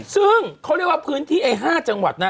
ซึ่งเขาเรียกว่าพื้นที่ไอ้๕จังหวัดนะ